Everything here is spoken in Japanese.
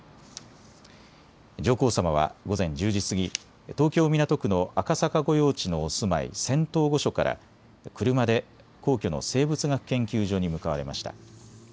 上皇さまは午前１０時過ぎ、東京港区の赤坂御用地のお住まい、仙洞御所から車で皇居の生物学研究所に向かわれました。